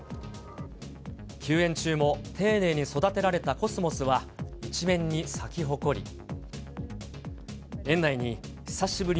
休園中も丁寧に育てられたコスモスは、一面に咲き誇り。